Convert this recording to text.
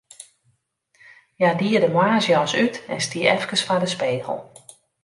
Hja die de moarnsjas út en stie efkes foar de spegel.